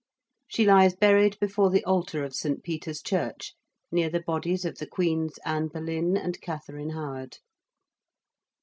She lies buried before the altar of St. Peter's Church, near the bodies of the Queens Anne Boleyn and Katharine Howard.